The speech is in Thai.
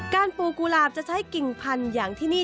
การปลูกกุหลับจะใช้กิ่งพันยังที่นี่